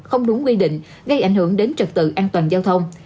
không đúng quy định gây ảnh hưởng đến trật tự an toàn giao thông